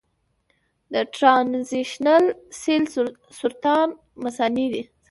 د ټرانزیشنل سیل سرطان د مثانې دی.